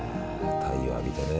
太陽浴びてね。